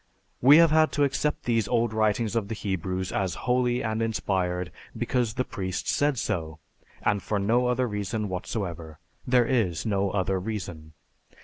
We have had to accept these old writings of the Hebrews as holy and inspired because the priests said so, and for no other reason whatsoever. There is no other reason."